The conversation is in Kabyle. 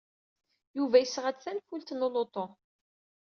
Yuba yesɣa-d tanfult n uluṭu.